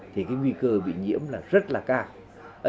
thì cái nguy cơ bị nhiễm là rất là cao